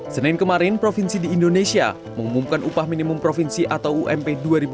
senin kemarin provinsi di indonesia mengumumkan upah minimum provinsi atau ump dua ribu dua puluh